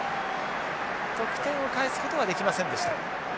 得点を返すことはできませんでした。